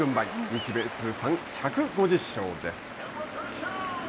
日米通算１５０勝です。